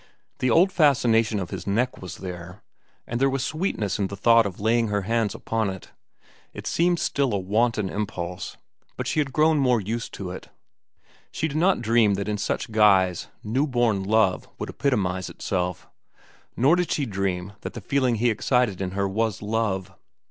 The old fascination of his neck was there, and there was sweetness in the thought of laying her hands upon it. It seemed still a wanton impulse, but she had grown more used to it. She did not dream that in such guise new born love would epitomize itself. Nor did she dream that the feeling he excited in her was love.